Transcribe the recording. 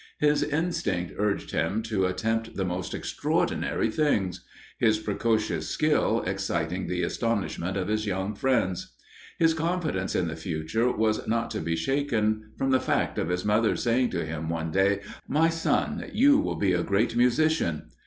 His instinct urged him to attempt the most extraordinary things; his precocious skill exciting the astonishment of his young friends. His confidence in the future was not to be shaken, from the fact of his mother saying to him one day, "My son, you will be a great musician.